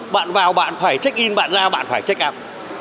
bạn vào bạn phải check in bạn ra bạn phải check in